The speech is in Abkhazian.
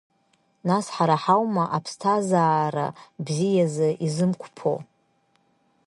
Нас ҳара ҳаума, аԥсҭазаара бзиазы изымқәԥо.